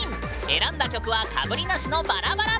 選んだ曲はかぶりなしのバラバラ！